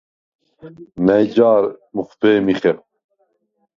მა̈ჲ ჯა̄რ მუხვბე̄მი ხეხვ?